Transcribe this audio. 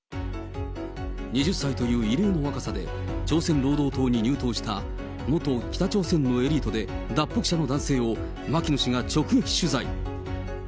２０歳という異例の若さで、朝鮮労働党に入党した、元北朝鮮のエリートで脱北者の男性を牧野氏が直撃取材。